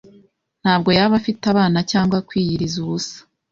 Ntabwo yaba afite abana cyangwa kwiyiriza ubusa